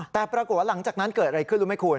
แต่ปรากฏว่าหลังจากนั้นเกิดอะไรขึ้นรู้ไหมคุณ